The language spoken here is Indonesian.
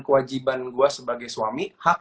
kewajiban gue sebagai suami hak